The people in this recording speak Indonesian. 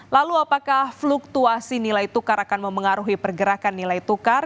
lalu apakah fluktuasi nilai tukar akan memengaruhi pergerakan nilai tukar